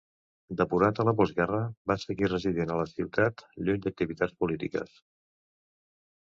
Depurat a la postguerra, va seguir residint a la ciutat lluny d'activitats polítiques.